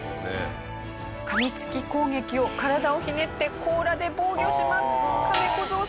噛みつき攻撃を体をひねって甲羅で防御します。